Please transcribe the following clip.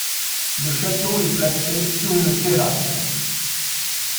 Le château est placé sur une terrasse.